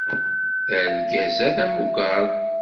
Argaz-a d amugaḍ.